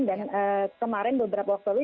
dan kemarin beberapa waktu lalu